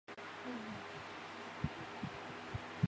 野柿为柿科柿属下的一个变种。